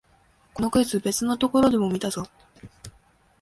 このクイズ、別のところでも見たぞ